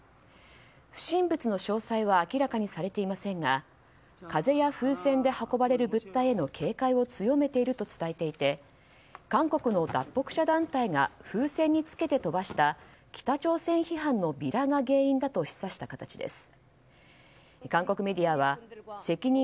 不審物の詳細は明らかにされていませんが風や風船で運ばれる物体への警戒を強めていると伝えていて韓国の脱北者団体が風船につけて飛ばした北朝鮮批判のビラが原因だと示唆した形です。